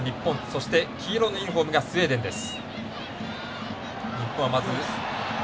そして、黄色のユニフォームがスウェーデンです。